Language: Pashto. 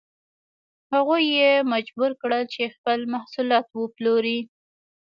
هغوی یې مجبور کړل چې خپل محصولات وپلوري.